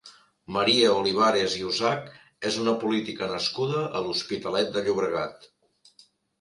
Maria Olivares i Usac és una política nascuda a l'Hospitalet de Llobregat.